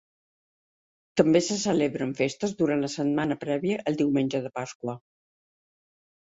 També se celebren festes durant la setmana prèvia al Diumenge de Pasqua.